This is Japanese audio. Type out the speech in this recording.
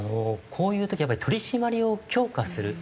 こういう時やっぱり取り締まりを強化する。